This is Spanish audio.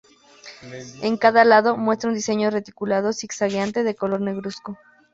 En cada lado, muestra un diseño reticulado zigzagueante de color negruzco.